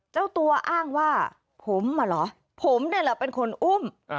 เจ้าตัวอ้างว่าผมเหรอผมนี่แหละเป็นคนอุ้ม